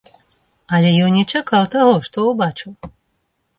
Але ён не чакаў таго, што ўбачыў.